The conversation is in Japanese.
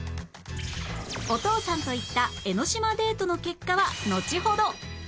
お父さんと行った江の島デートの結果はのちほど